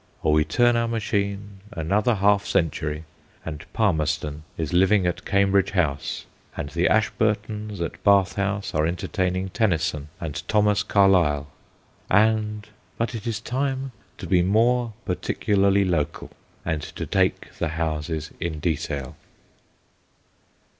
Or we turn our machine another half century, and Palmer ston is living at Cambridge House, and the Ashburtons at Bath House are entertaining Tennyson and Thomas Carlyle, and but it is time to be more particularly local and to take the houses in detail.